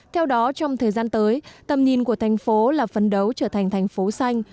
theo đó trong thời gian tới tầm nhìn của thành phố là phấn đấu trở thành thành phố xanh